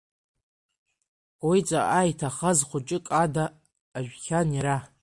Уи ҵаҟа иҭахаз хәыҷык ада ажәхьан иара.